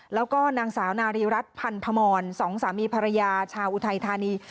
แล้วก็นางสาวนารีรัฐพันธมรสองสามีภรรยาชาวอุทัยธานี